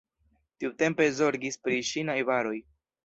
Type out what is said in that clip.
Tiutempe zorgis pri ŝi najbaroj.